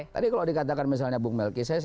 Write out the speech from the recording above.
tadi kalau dikatakan misalnya bung melki